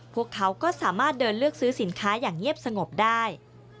พวกเขาก็สามารถเดินเลือกซื้อสินค้าอย่างเงียบสงบได้